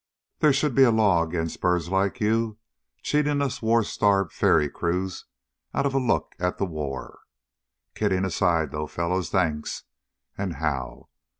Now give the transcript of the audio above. There should be a law against birds like you cheating us war starved ferry crews out of a look at the war. Kidding aside, though, fellows, thanks, and how!